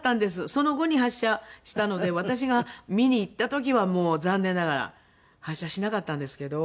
その後に発射したので私が見に行った時はもう残念ながら発射しなかったんですけど。